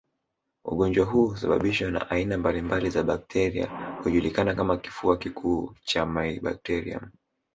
Ugonjwa huu husababishwa na aina mbalimbali za bakteria hujulikana kama kifua kikuu cha mybacterium